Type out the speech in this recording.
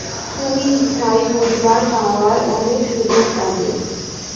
তুমি স্থায়ী পরিবার পাওয়ার অনেক সুযোগ পাবে।